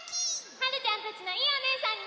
はるちゃんたちのいいおねえさんになる！